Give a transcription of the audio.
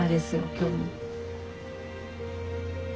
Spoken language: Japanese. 今日も。